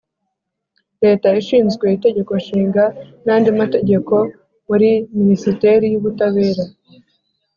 Leta ishinzwe Itegeko Nshinga n andi mategeko muri Minisiteri y Ubutabera